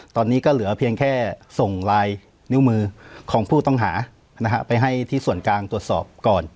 ตอนนี้ก็เหลือเพียงแค่ส่งลายนิ้วมือของผู้ต้องหาไปให้ที่ส่วนกลางตรวจสอบก่อน